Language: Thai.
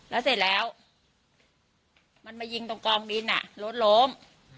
แล้วเสร็จแล้วมันมายิงตรงกองดินรถล้ม